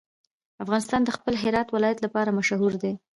افغانستان د خپل هرات ولایت لپاره مشهور دی.